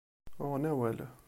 Uɣen awal.